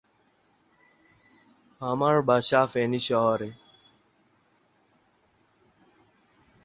তার television channel Current TV একটি Emmy পুরস্কার লাভ করেছে।